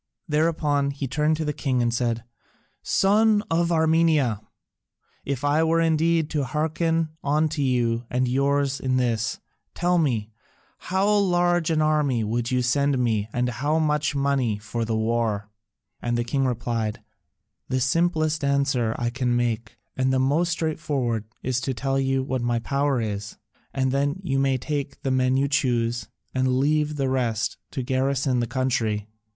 Thereupon he turned to the king and said, "Son of Armenia, if I were indeed to hearken unto you and yours in this, tell me, how large an army would you send me and how much money for the war?" And the king replied, "The simplest answer I can make and the most straightforward is to tell you what my power is, and then you may take the men you choose, and leave the rest to garrison the country.